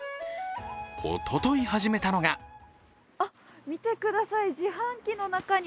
おととい、始めたのが見てください、自販機の中に？